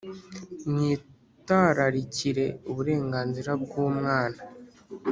mwitararikire uburenganzira bwu umwana